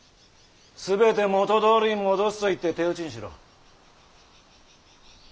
全て元どおりに戻すと言って手打ちにしろ。